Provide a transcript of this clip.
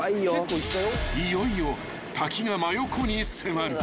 ［いよいよ滝が真横に迫る］